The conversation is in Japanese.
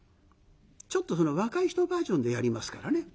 ちょっとその若い人バージョンでやりますからね。